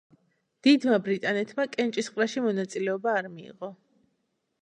დიდმა ბრიტანეთმა კენჭისყრაში მონაწილეობა არ მიიღო.